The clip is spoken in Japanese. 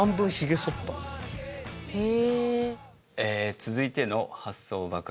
続いての発想爆発